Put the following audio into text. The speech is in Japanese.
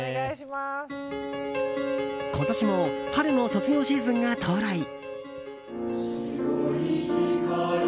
今年も春の卒業シーズンが到来。